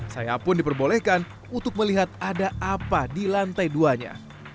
saya pun diperbolehkan untuk melihat ada apa di lantai duanya